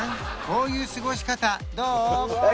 こういう過ごし方どう？